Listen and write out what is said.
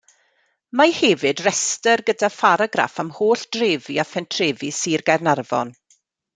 Mae hefyd restr gyda pharagraff am holl drefi a phentrefi Sir Gaernarfon.